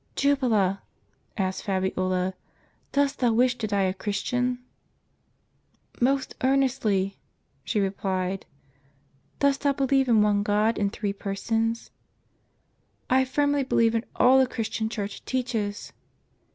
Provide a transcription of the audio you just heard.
"Jubala," asked Fabiola, "dost thou wish to die a Christian?" " Most earnestly," she replied. "Dost thou believe in One God in Three Persons?" " I firmly believe in all the Christian Church teaches."